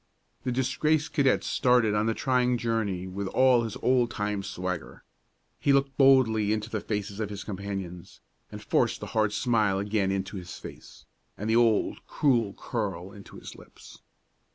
The disgraced cadet started on the trying journey with all of his old time swagger. He looked boldly into the faces of his companions, and forced the hard smile again into his face, and the old cruel curl into his lips.